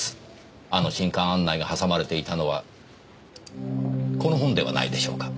あの新刊案内がはさまれていたのはこの本ではないでしょうか？